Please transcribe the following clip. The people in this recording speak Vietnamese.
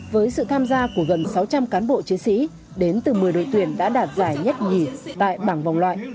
với sự tham gia của gần sáu trăm linh cán bộ chiến sĩ đến từ một mươi đội tuyển đã đạt giải nhất nhì tại bảng vòng loại